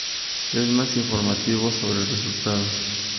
Es más informativo sobre el resultado.